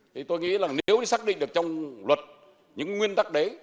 thì tôi nghĩ là nếu xác định được trong luật những nguyên tắc đấy